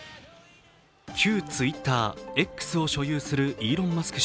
旧ＴｗｉｔｔｅｒＸを所有するイーロン・マスク